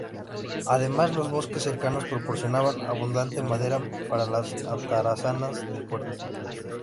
Además, los bosques cercanos proporcionaban abundante madera para las atarazanas del puerto.